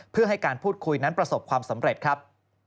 เพื่อให้การพูดคุยนั้นประสบความสำเร็จครับ